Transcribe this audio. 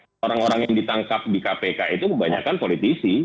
karena orang orang yang ditangkap di kpk itu kebanyakan politisi